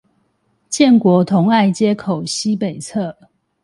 建國同愛街口西北側